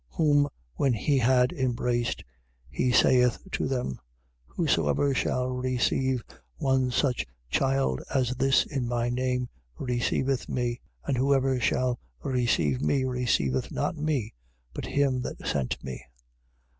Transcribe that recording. Whom when he had embraced, he saith to them: 9:36. Whosoever shall receive one such child as this in my name receiveth me. And whosoever shall receive me receiveth not me but him that sent me.